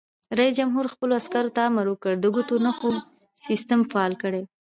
رئیس جمهور خپلو عسکرو ته امر وکړ؛ د ګوتو نښو سیسټم فعال کړئ!